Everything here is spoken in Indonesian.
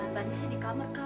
tadi sih di kamar